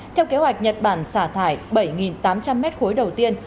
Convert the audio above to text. theo kế hoạch nhật bản xả thải bảy tám trăm linh mét khối đầu tiên